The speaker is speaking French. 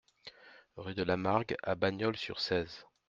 Rue de Lamargue à Bagnols-sur-Cèze